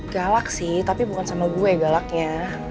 galak sih tapi bukan sama gue galaknya